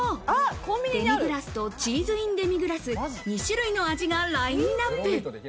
デミグラスとチーズイン・デミグラス、２種類の味がラインナップ。